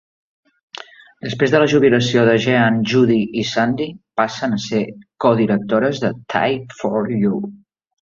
Després de la jubilació de Jean, Judy i Sandy passen a ser codirectores de Type for You.